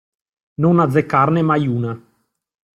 Non azzeccarne mai una.